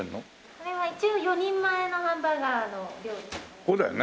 これは一応４人前のハンバーガーの量ですね。